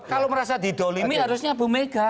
kalau merasa didolimi harusnya bu mega